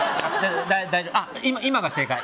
今が正解。